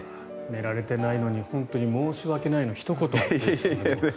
寝られてないのに本当に申し訳ないのひと言です。